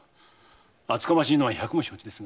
厚かましいのは百も承知です。